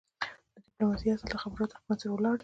د د ډيپلوماسی اصل د خبرو اترو پر بنسټ ولاړ دی.